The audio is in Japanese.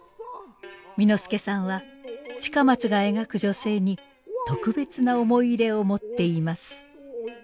簑助さんは近松が描く女性に特別な思い入れを持っています。